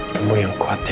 temu yang kuat ya